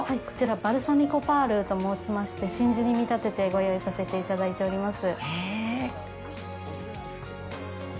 こちらバルサミコパールと申しまして真珠に見立ててご用意させていただいております。